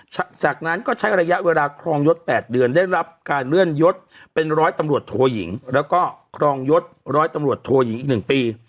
จากนั้นก็ใช้ระยะเวลาครองยศ๘เดือนได้รับการเลื่อนยศเป็นร้อยตำรวจโทยิงแล้วก็ครองยศร้อยตำรวจโทยิงอีก๑ปี